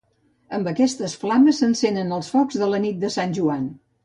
Amb aquestes flames s'encenen els Focs de la Nit de Sant Joan.